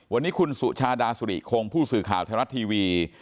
วันนี้คุณสุชาดาสุริคงผู้สื่อข่าวไทยรัฐทีวี